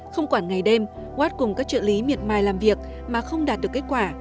không quản ngày đêm watt cùng các trợ lý miệt mài làm việc mà không đạt được kết quả